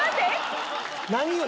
何よ？